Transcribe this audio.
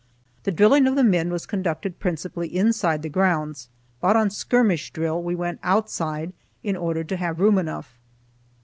The drilling of the men was conducted principally inside the grounds, but on skirmish drill we went outside, in order to have room enough.